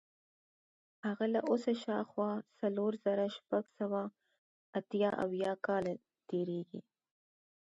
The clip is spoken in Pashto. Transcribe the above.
هغه له اوسه شاوخوا څلور زره شپږ سوه اته اویا کاله تېرېږي.